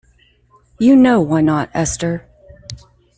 You know why not, Esther.